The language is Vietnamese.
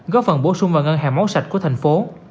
góp phần bổ sung vào ngân hàng máu sạch của thành phố